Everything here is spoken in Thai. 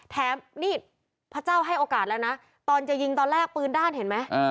แถมนี่พระเจ้าให้โอกาสแล้วนะตอนจะยิงตอนแรกปืนด้านเห็นไหม